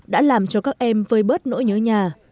đã làm cho các em vơi bớt nỗi nhớ nhà